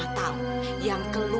pasti kamu ngerti